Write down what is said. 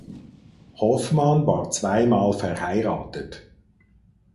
Hoffmann war zweimal verheiratet.